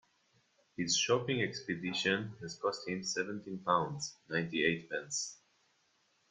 His shopping expedition had cost him seventeen pounds, ninety-eight pence